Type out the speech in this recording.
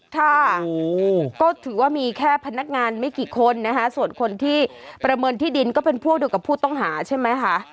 ค่ะก็ถือว่ามีแค่พนักงานไม่กี่คนนะคะส่วนคนที่ประเมินที่ดินก็เป็นพวกเดียวกับผู้ต้องหาใช่ไหมคะ